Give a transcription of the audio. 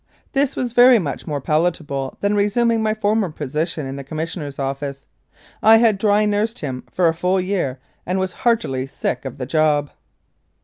This was very much more palatable than resuming my former position in the Commissioner's office. I had dry nursed him for a full year and was heartily sick of the job.